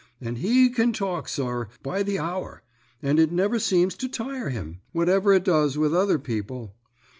And he can talk, sir, by the hour, and it never seens to tire him, whatever it does with other people.